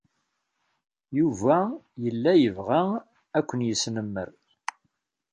Yuba yella yebɣa ad ken-yesnemmer.